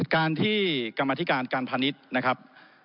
การที่กรรมธิการการพาณิชย์นะครับ